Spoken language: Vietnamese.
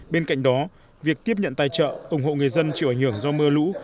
bên cạnh đó việc tiếp nhận tài trợ ủng hộ người dân chịu ảnh hưởng do mưa lũ